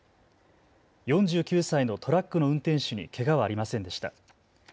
４９歳のトラックの運転手にけがはありませんでした。